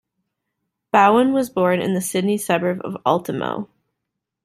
Bowen was born in the Sydney suburb of Ultimo.